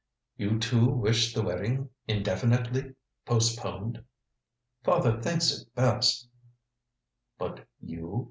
"You too wish the wedding indefinitely postponed?" "Father thinks it best " "But you?"